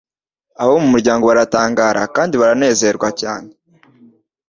Abo mu muryango baratangara, kandi baranezerwa cyane.